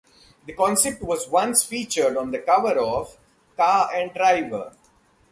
The concept was once featured on the cover of "Car and Driver".